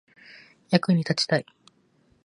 役に立ちたい